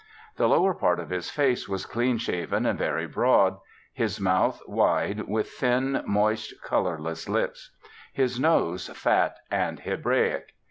The lower part of his face was clean shaven and very broad; his mouth wide, with thin, moist, colourless lips; his nose fat and Hebraic.